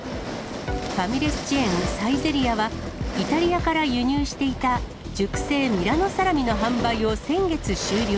ファミレスチェーン、サイゼリヤは、イタリアから輸入していた熟成ミラノサラミの販売を先月終了。